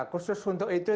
khusus untuk itu